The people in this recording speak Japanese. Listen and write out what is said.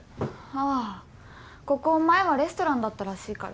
あぁここ前はレストランだったらしいから。